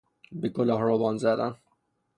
به کلاه روبان زدن